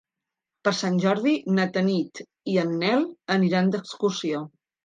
Per Sant Jordi na Tanit i en Nel aniran d'excursió.